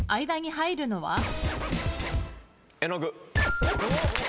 間に入るのは？